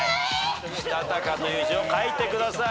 「したたか」という字を書いてください。